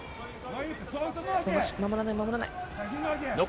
守らない、守らない。